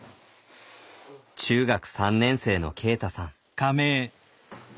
中学３年生のけいたさん。